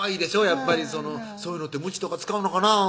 やっぱり「そういうのってムチとか使うのかなぁ」